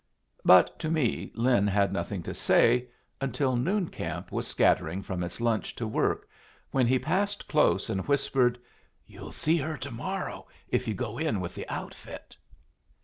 But to me Lin had nothing to say until noon camp was scattering from its lunch to work, when he passed close, and whispered, "You'll see her to morrow if you go in with the outfit."